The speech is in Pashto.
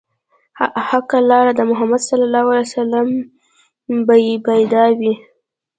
حقه لار د محمد ص به يې پيدا وي